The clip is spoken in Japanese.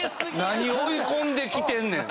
何追い込んできてんねん！